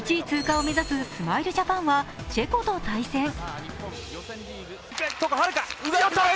通過を目指すスマイルジャパンはチェコと対戦。